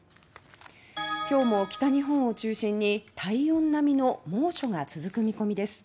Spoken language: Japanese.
今日も北日本を中心に体温並みの猛暑が続く見込みです